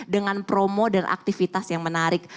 dengan promo dan aktivitas yang menarik